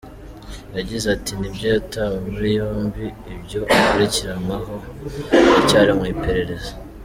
Yagize ati “Nibyo yatawe muri yombi, ibyo akurikiranweho biracyari mu iperereza.